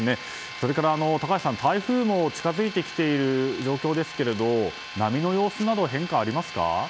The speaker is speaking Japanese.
それから台風も近づいてきている状況ですが波の様子などは変化ありますか。